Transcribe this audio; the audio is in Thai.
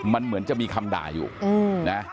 มันเหมือนจะมีคำด่าอยู่นะ